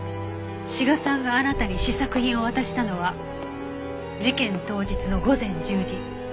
志賀さんがあなたに試作品を渡したのは事件当日の午前１０時。